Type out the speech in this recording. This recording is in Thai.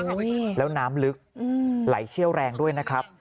แล้วน้ำลึกไหลเชี่ยวแรงด้วยนะครับ